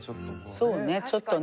そうね